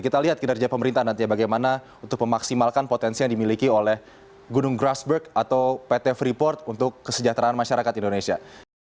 kita lihat kinerja pemerintah nanti ya bagaimana untuk memaksimalkan potensi yang dimiliki oleh gunung grassberg atau pt freeport untuk kesejahteraan masyarakat indonesia